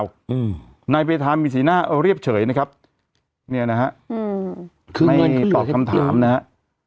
อืมนายเวทามีสีหน้าเรียบเฉยนะครับเนี่ยนะฮะอืมไม่ตอบคำถามนะฮะ